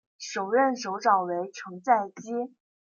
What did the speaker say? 首任首长为成在基。